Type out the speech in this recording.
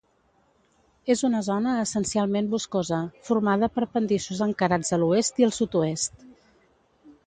És una zona essencialment boscosa, formada per pendissos encarats a l'oest i al sud-oest.